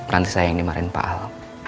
ranti saya yang dimarahin pak al